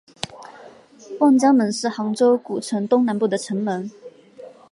望江门是杭州古城东南部的城门。